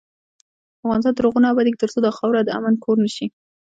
افغانستان تر هغو نه ابادیږي، ترڅو دا خاوره د امن کور نشي.